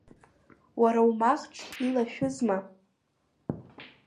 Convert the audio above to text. Уара умахҽ илашәызма?